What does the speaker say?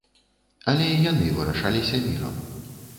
Але і яны вырашаліся мірам.